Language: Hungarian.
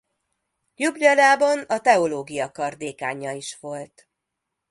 Ljubljanában a teológia kar dékánja is volt.